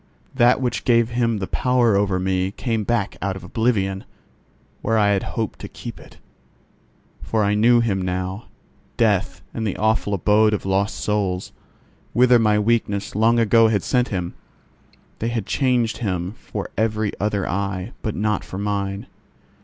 That which gave him the power over me came back out of oblivion, where I had hoped to keep it. For I knew him now. Death and the awful abode of lost souls, whither my weakness long ago had sent him—they had changed him for every other eye, but not for mine.